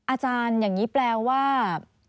อาจารย์อย่างนี้แปลว่า